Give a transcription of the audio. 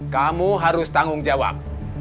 kamu harus tanggungjawab